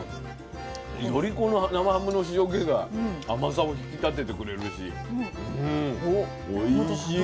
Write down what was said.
よりこの生ハムの塩気が甘さを引き立ててくれるしうんおいしい。